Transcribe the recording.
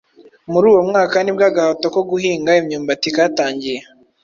muri uwo mwaka nibwo agahato ko guhinga imyumbati katangiye